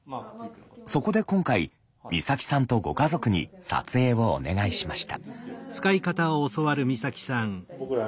そこで今回光沙季さんとご家族に撮影をお願いしました。